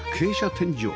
天井